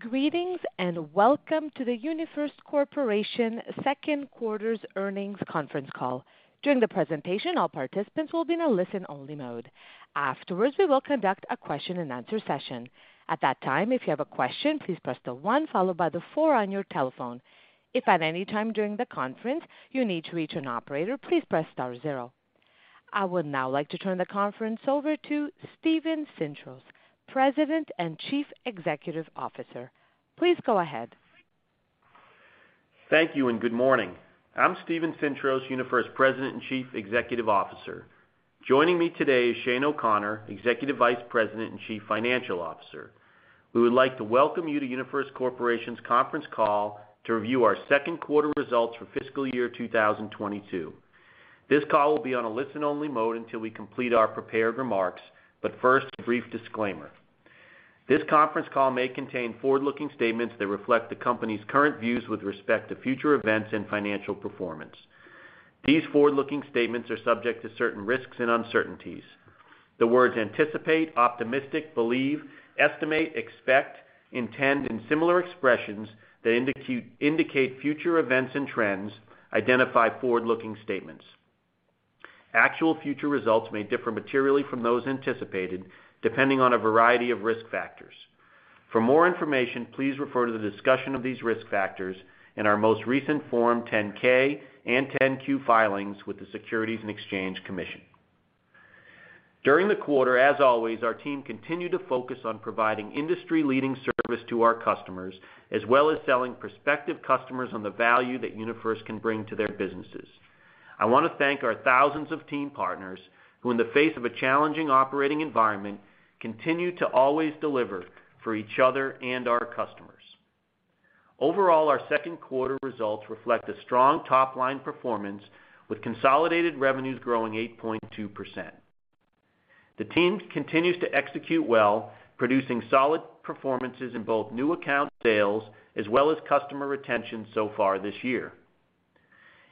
Greetings, and welcome to the UniFirst Corporation second quarter's earnings conference call. During the presentation, all participants will be in a listen-only mode. Afterwards, we will conduct a question-and-answer session. At that time, if you have a question, please press the one followed by the four on your telephone. If at any time during the conference you need to reach an operator, please press star-zero. I would now like to turn the conference over to Steven Sintros, President and Chief Executive Officer. Please go ahead. Thank you, and good morning. I'm Steven Sintros, President and Chief Executive Officer. Joining me today is Shane O'Connor, Executive Vice President and Chief Financial Officer. We would like to welcome you to UniFirst Corporation's conference call to review our second quarter results for fiscal year 2022. This call will be on a listen-only mode until we complete our prepared remarks. First, a brief disclaimer. This conference call may contain forward-looking statements that reflect the company's current views with respect to future events and financial performance. These forward-looking statements are subject to certain risks and uncertainties. The words anticipate, optimistic, believe, estimate, expect, intend, and similar expressions that indicate future events and trends identify forward-looking statements. Actual future results may differ materially from those anticipated, depending on a variety of risk factors. For more information, please refer to the discussion of these risk factors in our most recent Form 10-K and 10-Q filings with the Securities and Exchange Commission. During the quarter, as always, our team continued to focus on providing industry-leading service to our customers, as well as selling prospective customers on the value that UniFirst can bring to their businesses. I wanna thank our thousands of team partners who, in the face of a challenging operating environment, continue to always deliver for each other and our customers. Overall, our second quarter results reflect a strong top-line performance with consolidated revenues growing 8.2%. The team continues to execute well, producing solid performances in both new account sales as well as customer retention so far this year.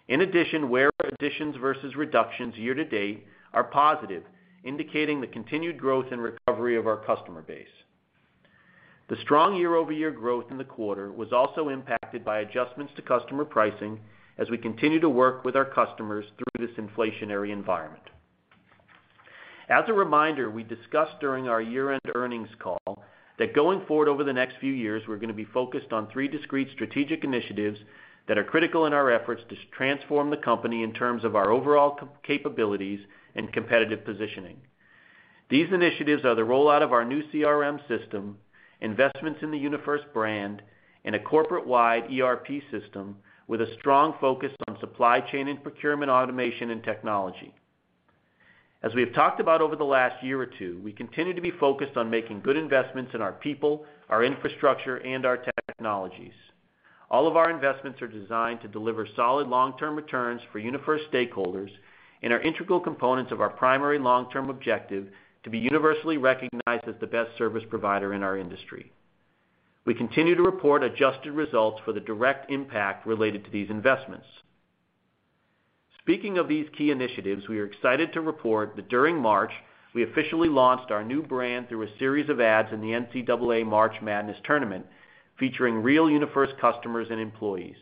In addition, wear additions versus reductions year to date are positive, indicating the continued growth and recovery of our customer base. The strong year-over-year growth in the quarter was also impacted by adjustments to customer pricing as we continue to work with our customers through this inflationary environment. As a reminder, we discussed during our year-end earnings call that going forward over the next few years, we're going to be focused on three discrete strategic initiatives that are critical in our efforts to transform the company in terms of our overall capabilities and competitive positioning. These initiatives are the rollout of our new CRM system, investments in the UniFirst brand, and a corporate-wide ERP system with a strong focus on supply chain and procurement automation and technology. As we have talked about over the last year or two, we continue to be focused on making good investments in our people, our infrastructure, and our technologies. All of our investments are designed to deliver solid long-term returns for UniFirst stakeholders and are integral components of our primary long-term objective to be universally recognized as the best service provider in our industry. We continue to report adjusted results for the direct impact related to these investments. Speaking of these key initiatives, we are excited to report that during March, we officially launched our new brand through a series of ads in the NCAA March Madness tournament, featuring real UniFirst customers and employees.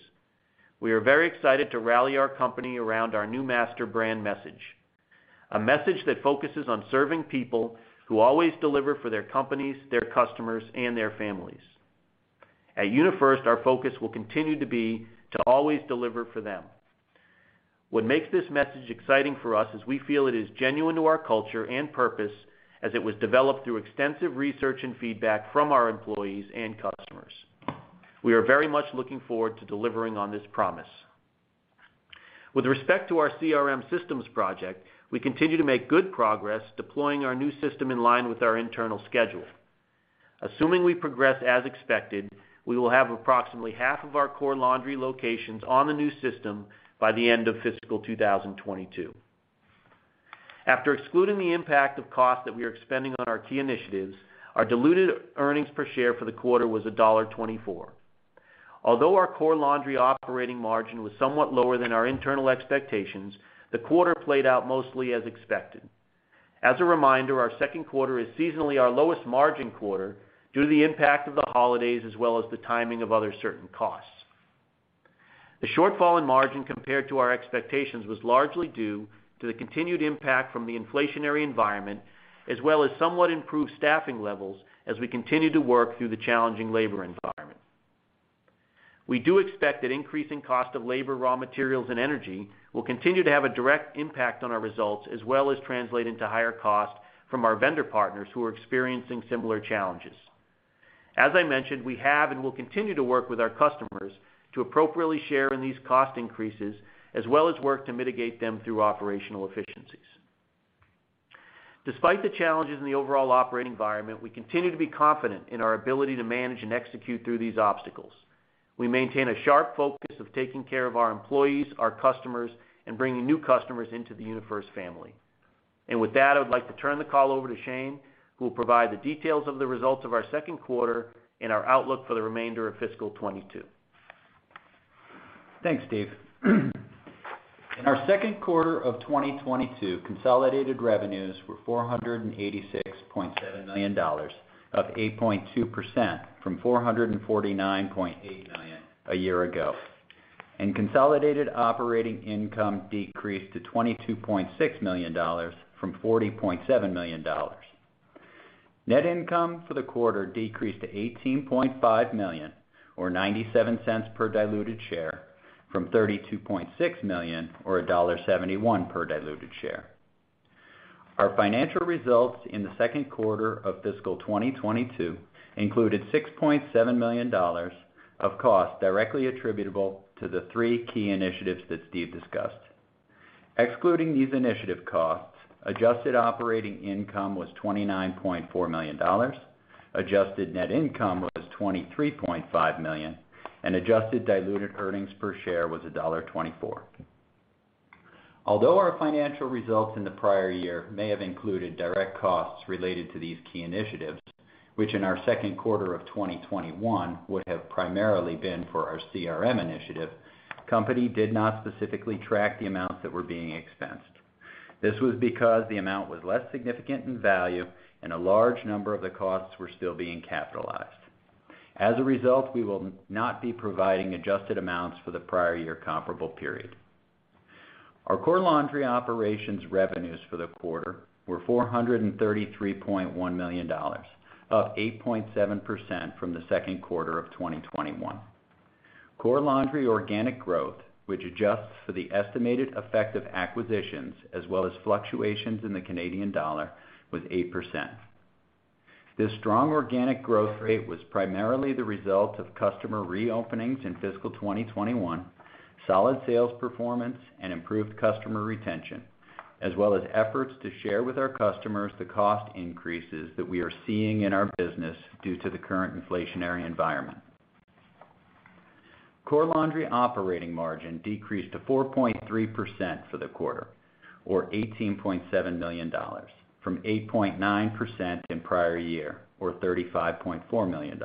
We are very excited to rally our company around our new master brand message, a message that focuses on serving people who always deliver for their companies, their customers, and their families. At UniFirst, our focus will continue to be to always deliver for them. What makes this message exciting for us is we feel it is genuine to our culture and purpose as it was developed through extensive research and feedback from our employees and customers. We are very much looking forward to delivering on this promise. With respect to our CRM systems project, we continue to make good progress deploying our new system in line with our internal schedule. Assuming we progress as expected, we will have approximately half of our Core Laundry locations on the new system by the end of fiscal 2022. After excluding the impact of costs that we are expending on our key initiatives, our diluted earnings per share for the quarter was $1.24. Although our Core Laundry operating margin was somewhat lower than our internal expectations, the quarter played out mostly as expected. As a reminder, our second quarter is seasonally our lowest margin quarter due to the impact of the holidays as well as the timing of other certain costs. The shortfall in margin compared to our expectations was largely due to the continued impact from the inflationary environment, as well as somewhat improved staffing levels as we continue to work through the challenging labor environment. We do expect that increasing cost of labor, raw materials, and energy will continue to have a direct impact on our results as well as translate into higher costs from our vendor partners who are experiencing similar challenges. As I mentioned, we have and will continue to work with our customers to appropriately share in these cost increases as well as work to mitigate them through operational efficiencies. Despite the challenges in the overall operating environment, we continue to be confident in our ability to manage and execute through these obstacles. We maintain a sharp focus of taking care of our employees, our customers, and bringing new customers into the UniFirst family. With that, I would like to turn the call over to Shane, who will provide the details of the results of our second quarter and our outlook for the remainder of fiscal 2022. Thanks, Steve. In our second quarter of 2022, consolidated revenues were $486.7 million, up 8.2% from $449.8 million a year ago. Consolidated operating income decreased to $22.6 million from $40.7 million. Net income for the quarter decreased to $18.5 million or $0.97 per diluted share from $32.6 million or $1.71 per diluted share. Our financial results in the second quarter of fiscal 2022 included $6.7 million of costs directly attributable to the three key initiatives that Steve discussed. Excluding these initiative costs, adjusted operating income was $29.4 million, adjusted net income was $23.5 million, and adjusted diluted earnings per share was $1.24. Although our financial results in the prior year may have included direct costs related to these key initiatives, which in our second quarter of 2021 would have primarily been for our CRM initiative, company did not specifically track the amounts that were being expensed. This was because the amount was less significant in value and a large number of the costs were still being capitalized. As a result, we will not be providing adjusted amounts for the prior year comparable period. Our Core Laundry Operations revenues for the quarter were $433.1 million, up 8.7% from the second quarter of 2021. Core Laundry organic growth, which adjusts for the estimated effect of acquisitions as well as fluctuations in the Canadian dollar, was 8%. This strong organic growth rate was primarily the result of customer reopenings in fiscal 2021, solid sales performance, and improved customer retention, as well as efforts to share with our customers the cost increases that we are seeing in our business due to the current inflationary environment. Core Laundry operating margin decreased to 4.3% for the quarter, or $18.7 million, from 8.9% in prior year, or $35.4 million.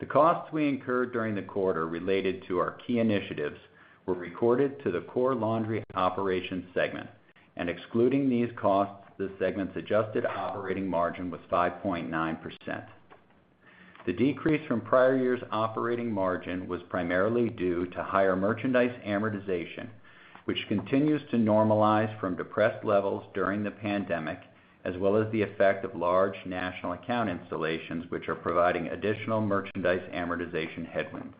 The costs we incurred during the quarter related to our key initiatives were recorded to the Core Laundry operations segment, and excluding these costs, the segment's adjusted operating margin was 5.9%. The decrease from prior year's operating margin was primarily due to higher merchandise amortization, which continues to normalize from depressed levels during the pandemic, as well as the effect of large national account installations, which are providing additional merchandise amortization headwinds.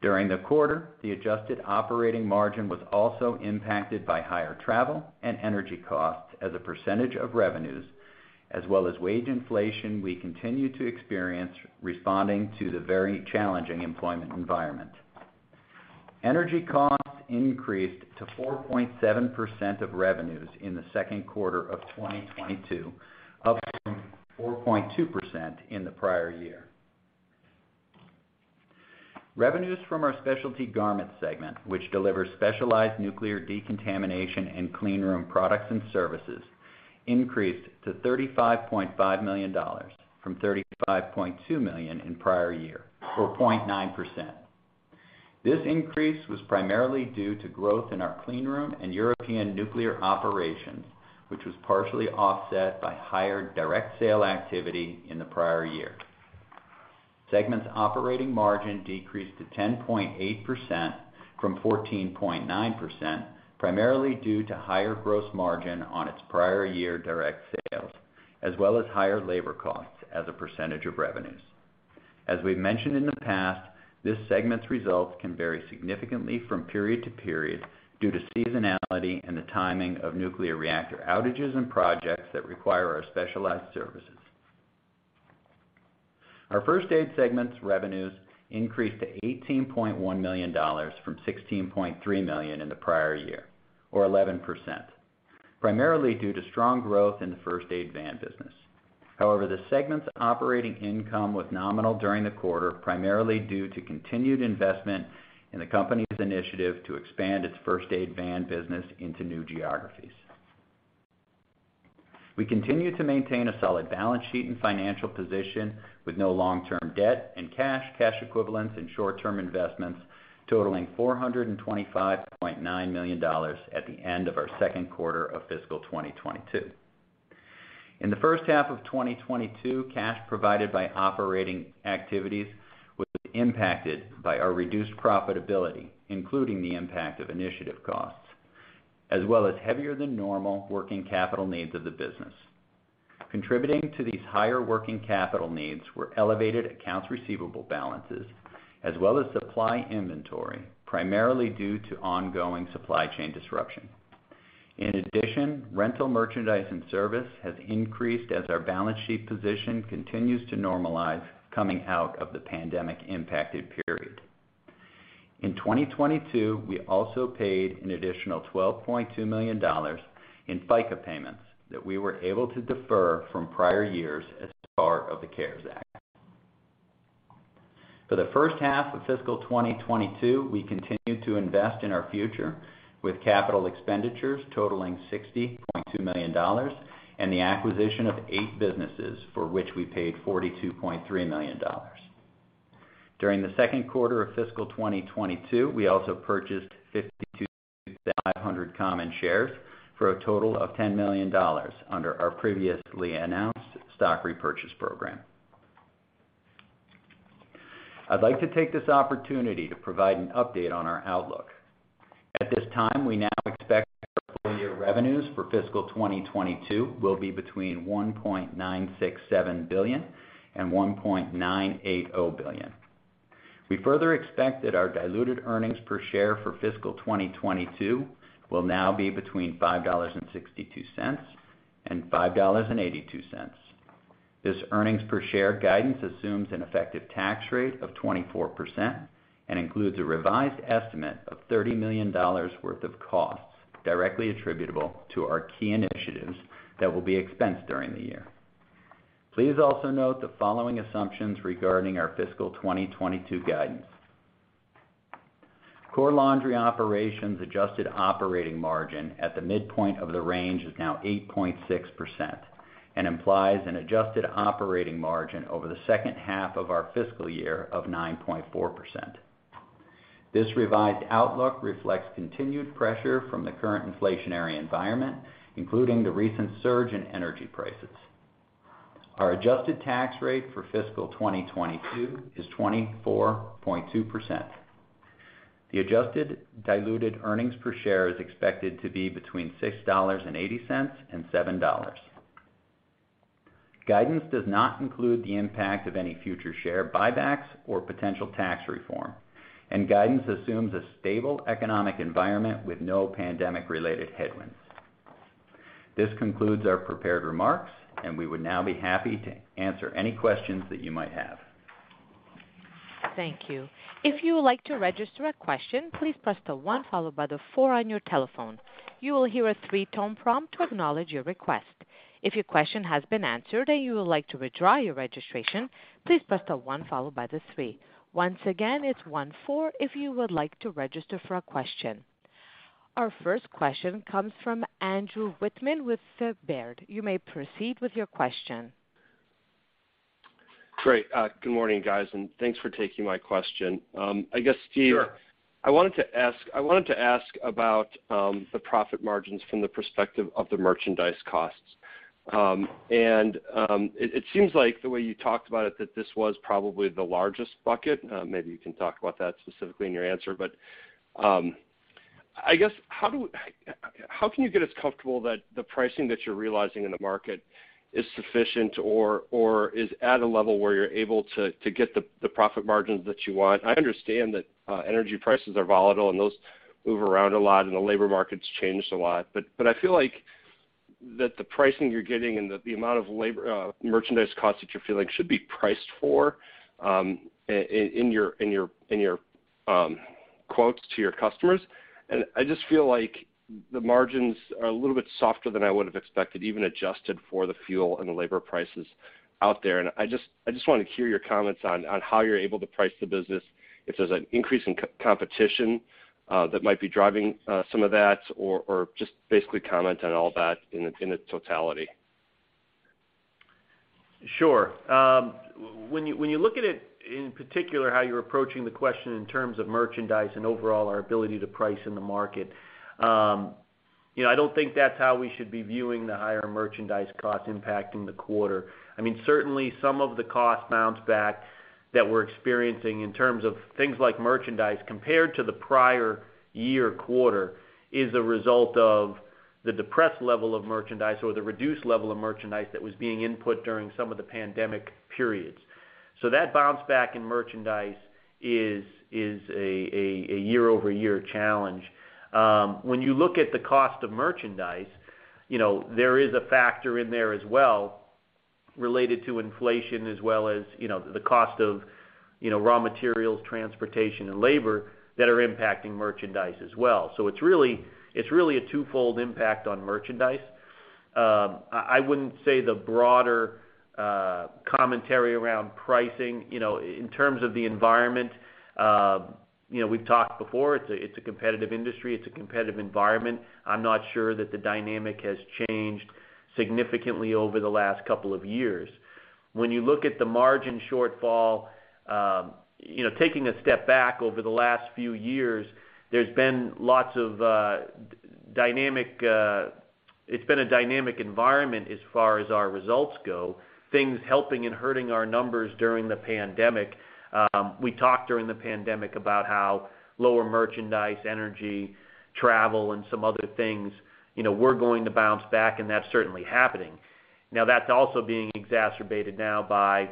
During the quarter, the adjusted operating margin was also impacted by higher travel and energy costs as a percentage of revenues, as well as wage inflation we continue to experience responding to the very challenging employment environment. Energy costs increased to 4.7% of revenues in the second quarter of 2022, up from 4.2% in the prior year. Revenues from our Specialty Garments segment, which delivers specialized nuclear decontamination and cleanroom products and services, increased to $35.5 million from $35.2 million in prior year, or 0.9%. This increase was primarily due to growth in our cleanroom and European nuclear operations, which was partially offset by higher direct sale activity in the prior year. Segment's operating margin decreased to 10.8% from 14.9%, primarily due to higher gross margin on its prior year direct sales, as well as higher labor costs as a percentage of revenues. As we've mentioned in the past, this segment's results can vary significantly from period to period due to seasonality and the timing of nuclear reactor outages and projects that require our specialized services. Our First Aid segment's revenues increased to $18.1 million from $16.3 million in the prior year, or 11%, primarily due to strong growth in the First Aid van business. However, the segment's operating income was nominal during the quarter, primarily due to continued investment in the company's initiative to expand its First Aid van business into new geographies. We continue to maintain a solid balance sheet and financial position with no long-term debt and cash equivalents, and short-term investments totaling $425.9 million at the end of our second quarter of fiscal 2022. In the first half of 2022, cash provided by operating activities was impacted by our reduced profitability, including the impact of initiative costs, as well as heavier than normal working capital needs of the business. Contributing to these higher working capital needs were elevated accounts receivable balances as well as supply inventory, primarily due to ongoing supply chain disruption. In addition, rental merchandise and service has increased as our balance sheet position continues to normalize coming out of the pandemic-impacted period. In 2022, we also paid an additional $12.2 million in FICA payments that we were able to defer from prior years as part of the CARES Act. For the first half of fiscal 2022, we continued to invest in our future with capital expenditures totaling $60.2 million and the acquisition of eight businesses for which we paid $42.3 million. During the second quarter of fiscal 2022, we also purchased 52,000 common shares for a total of $10 million under our previously announced stock repurchase program. I'd like to take this opportunity to provide an update on our outlook. At this time, we now expect full year revenues for fiscal 2022 will be between $1.967 billion and $1.98 billion. We further expect that our diluted earnings per share for fiscal 2022 will now be between $5.62 and $5.82. This earnings per share guidance assumes an effective tax rate of 24% and includes a revised estimate of $30 million worth of costs directly attributable to our key initiatives that will be expensed during the year. Please also note the following assumptions regarding our fiscal 2022 guidance. Core Laundry Operations adjusted operating margin at the midpoint of the range is now 8.6% and implies an adjusted operating margin over the second half of our fiscal year of 9.4%. This revised outlook reflects continued pressure from the current inflationary environment, including the recent surge in energy prices. Our adjusted tax rate for fiscal 2022 is 24.2%. The adjusted diluted earnings per share is expected to be between $6.80 and $7. Guidance does not include the impact of any future share buybacks or potential tax reform, and guidance assumes a stable economic environment with no pandemic related headwinds. This concludes our prepared remarks, and we would now be happy to answer any questions that you might have. Thank you. If you would like to register a question, please press the one followed by the four on your telephone. You will hear a three-tone prompt to acknowledge your request. If your question has been answered and you would like to withdraw your registration, please press the one followed by the three. Once again, it's one-four if you would like to register for a question. Our first question comes from Andrew Wittmann with Baird. You may proceed with your question. Great. Good morning, guys, and thanks for taking my question. I guess, Steve, I wanted to ask about the profit margins from the perspective of the merchandise costs. It seems like the way you talked about it, that this was probably the largest bucket. Maybe you can talk about that specifically in your answer. I guess, how can you get us comfortable that the pricing that you're realizing in the market is sufficient or is at a level where you're able to get the profit margins that you want? I understand that energy prices are volatile, and those move around a lot, and the labor market's changed a lot. I feel like the pricing you're getting and the amount of labor, merchandise costs that you're facing should be priced for in your to your "customers". I just feel like the margins are a little bit softer than I would have expected, even adjusted for the fuel and the labor prices out there. I just wanna hear your comments on how you're able to price the business if there's an increase in competition that might be driving some of that, or just basically comment on all that in its totality. Sure. When you look at it, in particular, how you're approaching the question in terms of merchandise and overall our ability to price in the market, you know, I don't think that's how we should be viewing the higher merchandise cost impact in the quarter. I mean, certainly some of the cost bounce back that we're experiencing in terms of things like merchandise compared to the prior year quarter is a result of the depressed level of merchandise or the reduced level of merchandise that was being input during some of the pandemic periods. That bounce back in merchandise is a year-over-year challenge. When you look at the cost of merchandise, you know, there is a factor in there as well related to inflation, as well as, you know, the cost of, you know, raw materials, transportation and labor that are impacting merchandise as well. It's really a twofold impact on merchandise. I wouldn't say the broader commentary around pricing, you know, in terms of the environment, you know, we've talked before, it's a competitive industry, it's a competitive environment. I'm not sure that the dynamic has changed significantly over the last couple of years. When you look at the margin shortfall, you know, taking a step back over the last few years, it's been a dynamic environment as far as our results go, things helping and hurting our numbers during the pandemic. We talked during the pandemic about how lower merchandise, energy, travel and some other things, you know, were going to bounce back, and that's certainly happening. Now, that's also being exacerbated now by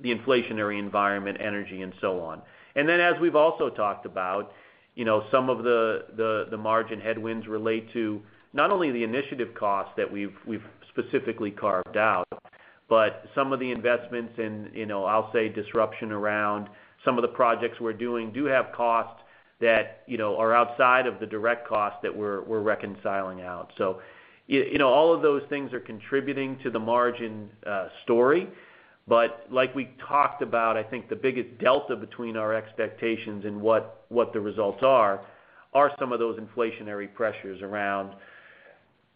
the inflationary environment, energy and so on. As we've also talked about, you know, some of the margin headwinds relate to not only the initiative costs that we've specifically carved out, but some of the investments in, you know, I'll say disruption around some of the projects we're doing do have costs that, you know, are outside of the direct costs that we're reconciling out. You know, all of those things are contributing to the margin story. Like we talked about, I think the biggest delta between our expectations and what the results are are some of those inflationary pressures around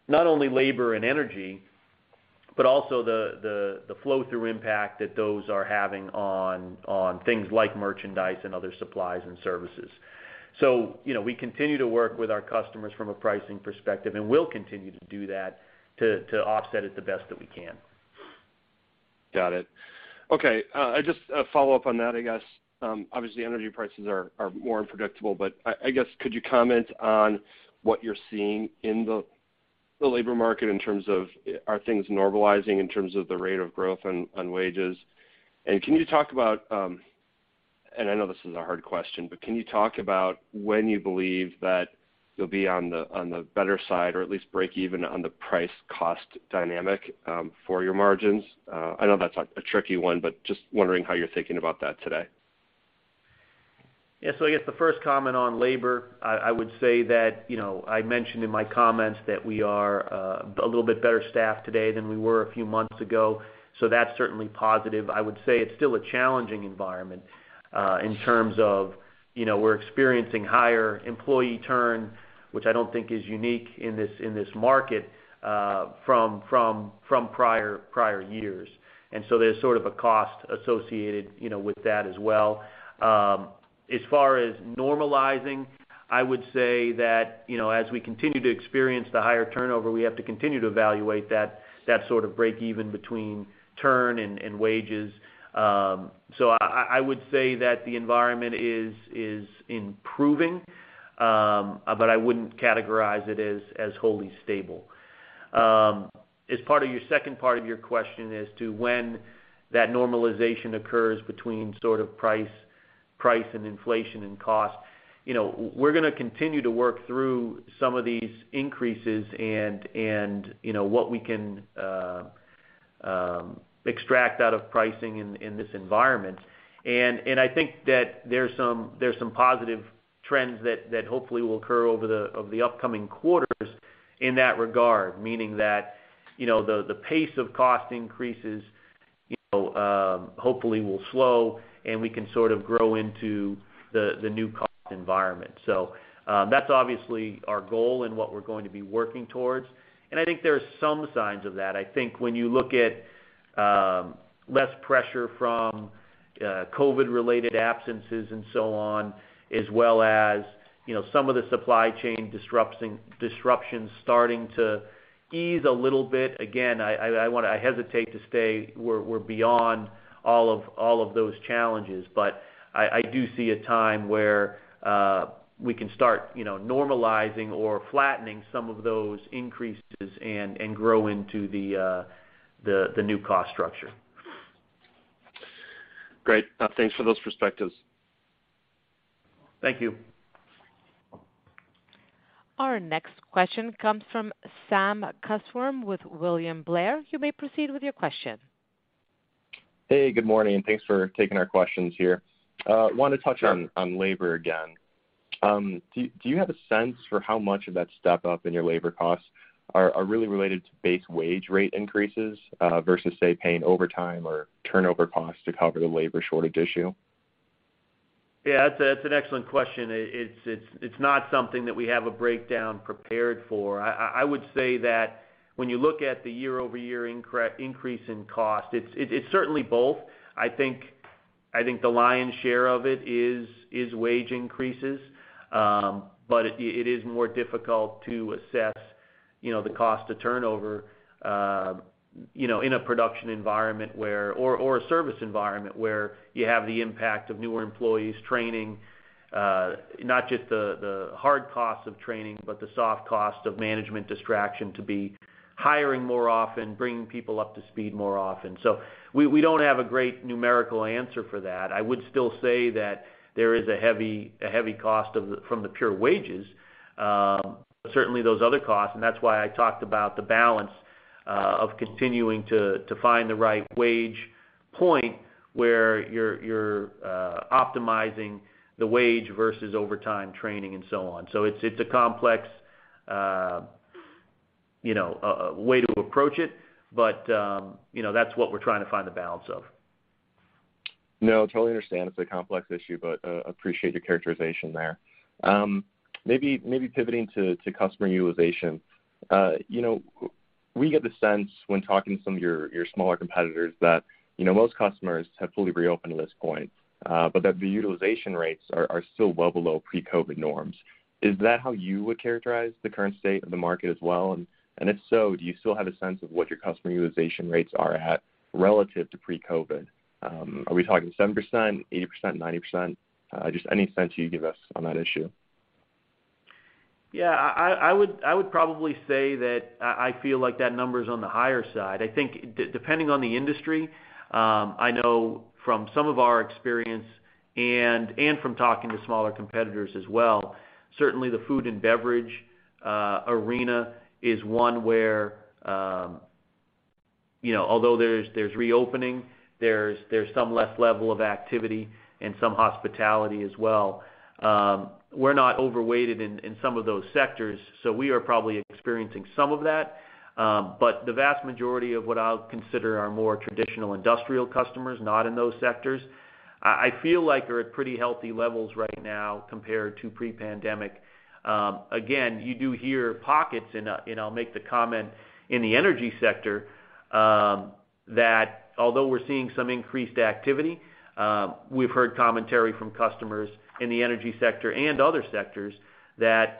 not only labor and energy but also the flow-through impact that those are having on things like merchandise and other supplies and services. You know, we continue to work with our customers from a pricing perspective, and will continue to do that to offset it the best that we can. Got it. Okay. I just have a follow-up on that, I guess. Obviously, energy prices are more unpredictable, but I guess, could you comment on what you're seeing in the labor market in terms of are things normalizing in terms of the rate of growth on wages? I know this is a hard question, but can you talk about when you believe that you'll be on the better side, or at least break even on the price-cost dynamic for your margins? I know that's a tricky one, but just wondering how you're thinking about that today. Yeah. I guess the first comment on labor, I would say that, you know, I mentioned in my comments that we are a little bit better staffed today than we were a few months ago. That's certainly positive. I would say it's still a challenging environment, in terms of, you know, we're experiencing higher employee turn, which I don't think is unique in this market, from prior years. There's sort of a cost associated, you know, with that as well. As far as normalizing, I would say that, you know, as we continue to experience the higher turnover, we have to continue to evaluate that sort of break even between turn and wages. I would say that the environment is improving, but I wouldn't categorize it as wholly stable. As part of your second part of your question as to when that normalization occurs between sort of price and inflation and cost, you know, we're gonna continue to work through some of these increases and you know what we can extract out of pricing in this environment. I think that there's some positive trends that hopefully will occur over the upcoming quarters in that regard, meaning that you know the pace of cost increases you know hopefully will slow and we can sort of grow into the new cost environment. That's obviously our goal and what we're going to be working towards, and I think there are some signs of that. I think when you look at less pressure from COVID-related absences and so on, as well as, you know, some of the supply chain disruptions starting to ease a little bit, again, I hesitate to say we're beyond all of those challenges, but I do see a time where we can start, you know, normalizing or flattening some of those increases and grow into the new cost structure. Great. Thanks for those perspectives. Thank you. Our next question comes from Sam Kusswurm with William Blair. You may proceed with your question. Hey, good morning, and thanks for taking our questions here. Want to touch on labor again. Do you have a sense for how much of that step up in your labor costs are really related to base wage rate increases, versus, say, paying overtime or turnover costs to cover the labor shortage issue? Yeah, that's an excellent question. It's not something that we have a breakdown prepared for. I would say that when you look at the year-over-year increase in cost, it's certainly both. I think the lion's share of it is wage increases. It is more difficult to assess, you know, the cost of turnover, you know, in a production environment or a service environment where you have the impact of newer employees training, not just the hard costs of training, but the soft cost of management distraction to be hiring more often, bringing people up to speed more often. We don't have a great numerical answer for that. I would still say that there is a heavy cost from the pure wages, but certainly those other costs, and that's why I talked about the balance of continuing to find the right wage point where you're optimizing the wage versus overtime training and so on. It's a complex, you know, way to approach it, but you know, that's what we're trying to find the balance of. No, I totally understand it's a complex issue, but appreciate your characterization there. Maybe pivoting to customer utilization. You know, we get the sense when talking to some of your smaller competitors that, you know, most customers have fully reopened at this point, but that the utilization rates are still well below pre-COVID norms. Is that how you would characterize the current state of the market as well? If so, do you still have a sense of what your customer utilization rates are at relative to pre-COVID? Are we talking 70%, 80%, 90%? Just any sense you'd give us on that issue. Yeah. I would probably say that I feel like that number's on the higher side. I think depending on the industry, I know from some of our experience and from talking to smaller competitors as well, certainly the food and beverage arena is one where, you know, although there's reopening, there's some lower level of activity and some hospitality as well. We're not overweighted in some of those sectors, so we are probably experiencing some of that. The vast majority of what I'll consider our more traditional industrial customers, not in those sectors. I feel like we're at pretty healthy levels right now compared to pre-pandemic. Again, you do hear pockets, and I'll make the comment in the energy sector that although we're seeing some increased activity, we've heard commentary from customers in the energy sector and other sectors that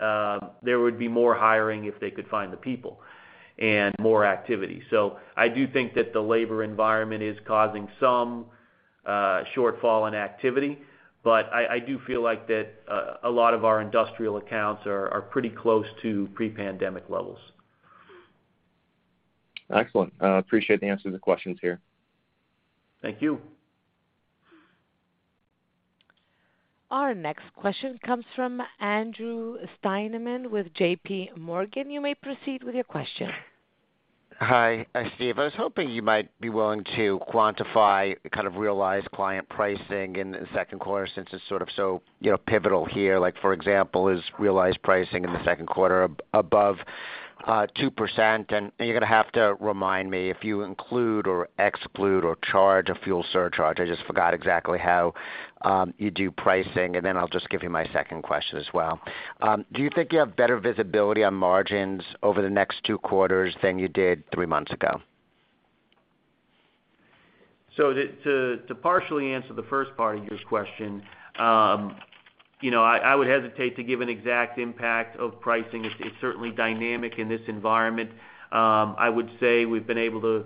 there would be more hiring if they could find the people and more activity. I do think that the labor environment is causing some shortfall in activity. I do feel like that, a lot of our industrial accounts are pretty close to pre-pandemic levels. Excellent. I appreciate the answers and questions here. Thank you. Our next question comes from Andrew Steinerman with JPMorgan. You may proceed with your question. Hi, Steven. I was hoping you might be willing to quantify the kind of realized client pricing in the second quarter since it's sort of so, you know, pivotal here. Like, for example, is realized pricing in the second quarter above 2%? You're gonna have to remind me if you include or exclude or charge a fuel surcharge. I just forgot exactly how you do pricing, and then I'll just give you my second question as well. Do you think you have better visibility on margins over the next two quarters than you did three months ago? To partially answer the first part of your question, you know, I would hesitate to give an exact impact of pricing. It's certainly dynamic in this environment. I would say we've been able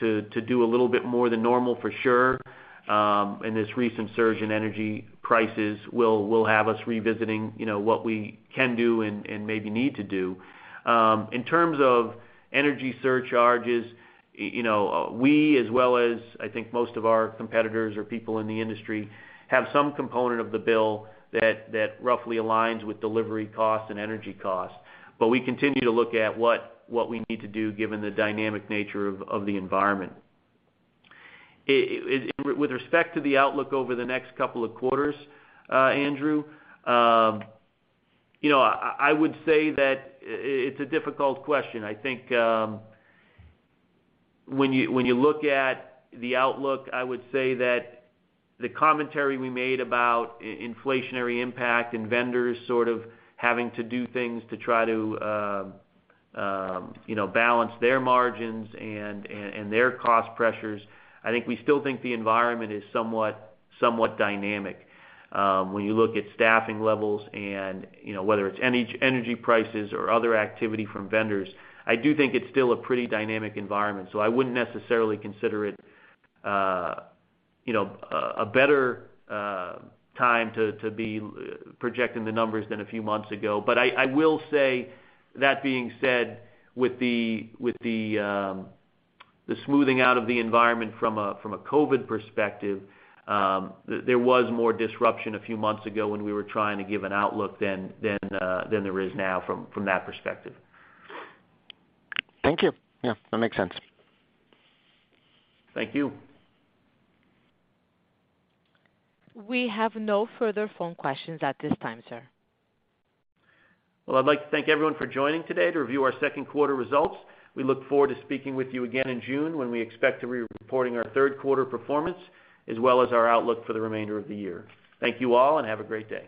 to do a little bit more than normal for sure, and this recent surge in energy prices will have us revisiting, you know, what we can do and maybe need to do. In terms of energy surcharges, you know, we, as well as I think most of our competitors or people in the industry, have some component of the bill that roughly aligns with delivery costs and energy costs. We continue to look at what we need to do given the dynamic nature of the environment. With respect to the outlook over the next couple of quarters, Andrew, you know, I would say that it's a difficult question. I think, when you look at the outlook, I would say that the commentary we made about inflationary impact and vendors sort of having to do things to try to, you know, balance their margins and their cost pressures, I think we still think the environment is somewhat dynamic. When you look at staffing levels and, you know, whether it's energy prices or other activity from vendors, I do think it's still a pretty dynamic environment. I wouldn't necessarily consider it, you know, a better time to be projecting the numbers than a few months ago. I will say that being said, with the smoothing out of the environment from a COVID perspective, there was more disruption a few months ago when we were trying to give an outlook than there is now from that perspective. Thank you. Yeah, that makes sense. Thank you. We have no further phone questions at this time, sir. Well, I'd like to thank everyone for joining today to review our second quarter results. We look forward to speaking with you again in June when we expect to be reporting our third quarter performance as well as our outlook for the remainder of the year. Thank you all, and have a great day.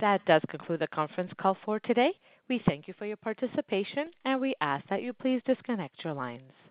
That does conclude the conference call for today. We thank you for your participation, and we ask that you please disconnect your lines.